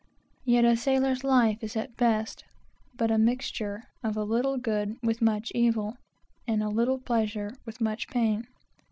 Yet a sailor's life is at best, but a mixture of a little good with much evil, and a little pleasure with much pain.